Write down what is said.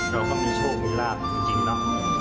เราก็มีช่วงครรภ์จริงแล้ว